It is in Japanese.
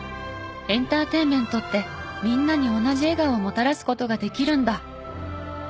エンターテインメントってみんなに同じ笑顔をもたらす事ができるんだ！